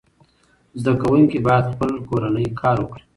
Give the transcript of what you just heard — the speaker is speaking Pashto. زده کوونکي باید خپل کورنی کار وکړي.